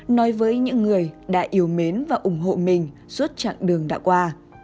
nói với những người đã yêu mến và ủng hộ mình suốt chặng đường đã qua